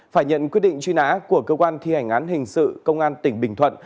phải nhận quyết định truy nã của cơ quan thi hành án hình sự công an tỉnh bình thuận